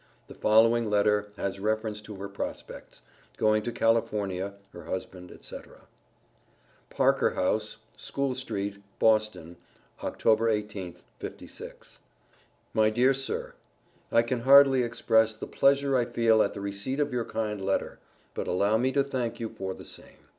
The following letter has reference to her prospects, going to California, her husband, etc.: PARKER HOUSE, School street, Boston, Oct. 18th, '56. MY DEAR SIR: I can hardly express the pleasure I feel at the receipt of your kind letter; but allow me to thank you for the same.